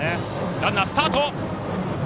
ランナー、スタート。